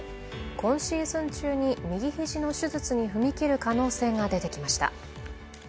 今シーズン中に右肘の手術に踏み切る可能性が出てきました。